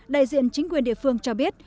đại diện chính quyền địa phương cho biết